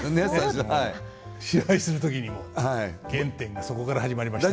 芝居する時にも原点がそこから始まりました。